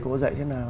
cũng có dạy thế nào